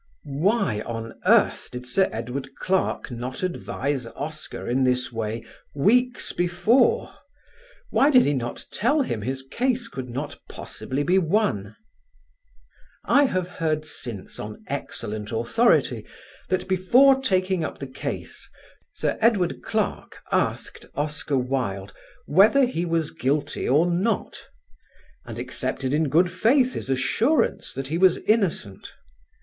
Why on earth did Sir Edward Clarke not advise Oscar in this way weeks before? Why did he not tell him his case could not possibly be won? I have heard since on excellent authority that before taking up the case Sir Edward Clarke asked Oscar Wilde whether he was guilty or not, and accepted in good faith his assurance that he was innocent.